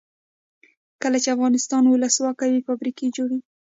کله چې افغانستان کې ولسواکي وي فابریکې جوړیږي.